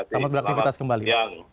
selamat beraktifitas kembali